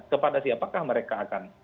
kepada siapakah mereka akan